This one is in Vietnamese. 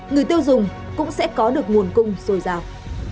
người tiêu dùng cũng sẽ có được nguồn cung rồi rào